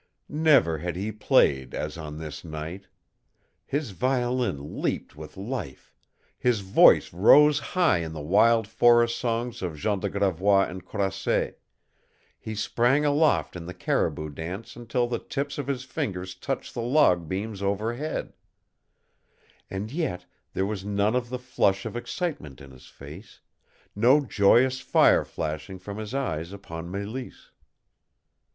Never had he played as on this night. His violin leaped with life, his voice rose high in the wild forest songs of Jean de Gravois and Croisset, he sprang aloft in the caribou dance until the tips of his fingers touched the log beams overhead; and yet there was none of the flush of excitement in his face, no joyous fire flashing from his eyes upon Mélisse.